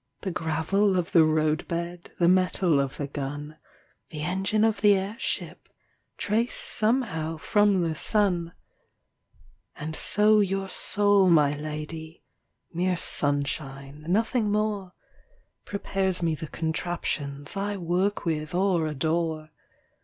The gravel of the roadbed, The metal of the gun, The engine of the airship Trace somehow from the sun. And so your soul, my lady (Mere sunshine, nothing more) Prepares me the contraptions I work with or adore.